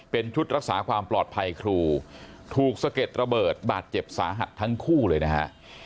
เป็นชุดรักษาความปลอดภัยครูถูกสะเก็ดระเบิดบาดเจ็บสาหัสทั้งคู่เลยนะฮะ